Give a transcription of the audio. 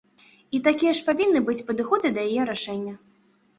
І такія ж павінны быць падыходы да яе рашэння.